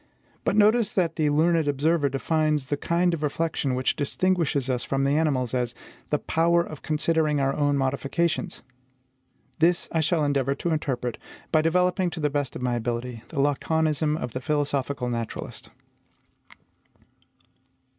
But notice that the learned observer defines the kind of reflection which distinguishes us from the animals as the POWER OF CONSIDERING OUR OWN MODIFICATIONS. This I shall endeavour to interpret, by developing to the best of my ability the laconism of the philosophical naturalist.